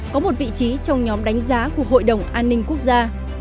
có một vị trí trong nhóm đánh giá của hội đồng an ninh quốc gia